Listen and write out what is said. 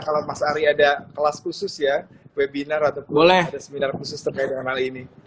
kalau mas ari ada kelas khusus ya webinar ataupun ada seminar khusus terkait dengan hal ini